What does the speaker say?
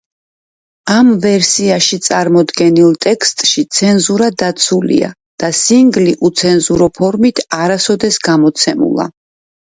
ამ ვერსიაში წარმოდგენილ ტექსტში ცენზურა დაცულია და სინგლი უცენზურო ფორმით არასოდეს გამოცემულა.